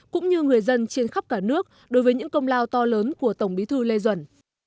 cũng như người dân trên khắp cả nước đối với những công lao to lớn của tổng bí thư lê duẩn